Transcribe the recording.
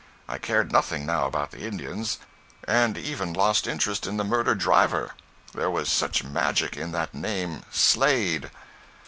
I cared nothing now about the Indians, and even lost interest in the murdered driver. There was such magic in that name, SLADE!